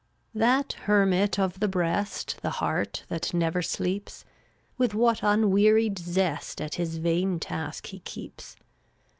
332 That hermit of the breast, The heart that never sleeps, With what unwearied zest At his vain task he keeps.